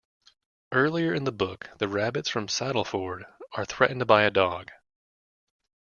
Early in the book, the rabbits from Sandleford are threatened by a dog.